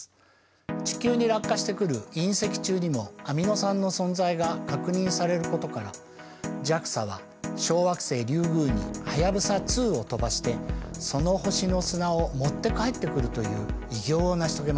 地球に落下してくる隕石中にもアミノ酸の存在が確認されることからＪＡＸＡは小惑星リュウグウに「ハヤブサ２」を飛ばしてその星の砂を持って帰ってくるという偉業を成し遂げました。